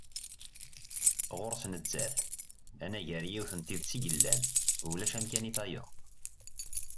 Ɣur-s nettat, anagar yiwet n tidet i yellan, ulac amkan i tayeḍ.